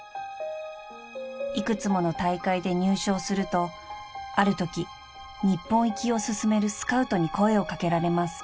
［幾つもの大会で入賞するとあるとき日本行きを勧めるスカウトに声を掛けられます］